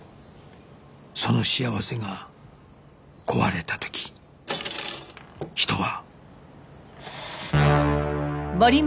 その幸せが壊れた時人は